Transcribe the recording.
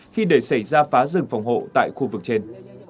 khi để xảy ra phá rừng phòng hộ tại khu vực trên